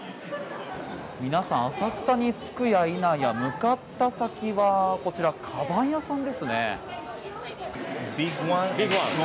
皆さん浅草に着くや否や向かった先はこちら、かばん屋さんですね。